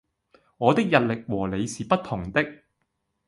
我的日曆和你是不同的！